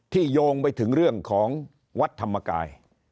โยงไปถึงเรื่องของวัดธรรมกาย